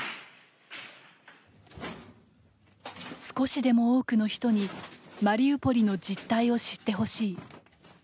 少しでも多くの人にマリウポリの実態を知ってほしい。